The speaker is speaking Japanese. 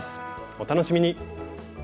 お楽しみに。